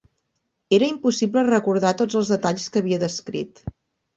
Era impossible recordar tots els detalls que havia descrit.